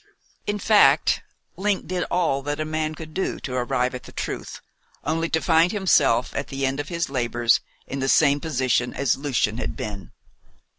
In fact, Link did all that a man could do to arrive at the truth, only to find himself, at the end of his labours, in the same position as Lucian had been.